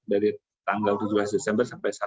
dari tanggal dua puluh tujuh desember sampai sabtu